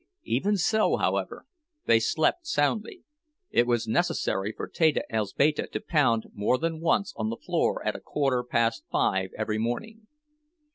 Even so, however, they slept soundly—it was necessary for Teta Elzbieta to pound more than once on the door at a quarter past five every morning.